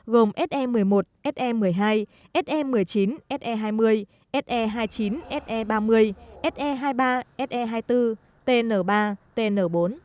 gồm se một mươi một se một mươi hai se một mươi chín se hai mươi se hai mươi chín se ba mươi se hai mươi ba se hai mươi bốn tn ba tn bốn